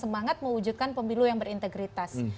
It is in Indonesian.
semangat mewujudkan pemilu yang berintegritas